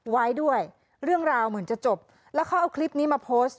ไว้ด้วยเรื่องราวเหมือนจะจบแล้วเขาเอาคลิปนี้มาโพสต์